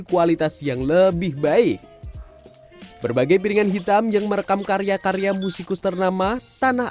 kualitas yang lebih baik berbagai piringan hitam yang merekam karya karya musikus ternama tanah